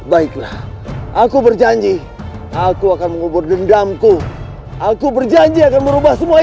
baiklah kalau itu keinginanmu